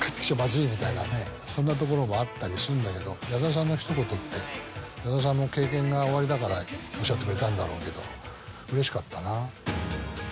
そんなところもあったりするんだけど矢沢さんのひと言って矢沢さんも経験がおありだからおっしゃってくれたんだろうけど。